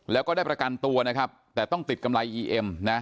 แล้วก็ได้ประกันตัวนะครับแต่ต้องติดกำไรอีเอ็มนะ